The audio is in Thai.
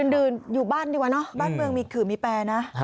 ื่นอยู่บ้านดีกว่าเนอะบ้านเมืองมีขื่อมีแปรนะ